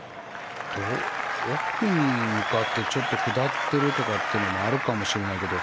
奥に向かってちょっと下ってるとかってのもあるかもしれないけど